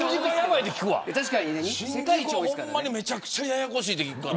新宿はめちゃくちゃややこしいって聞くから。